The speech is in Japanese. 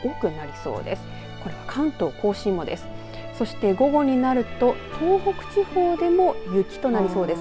そして午後になると東北地方でも雪となりそうです。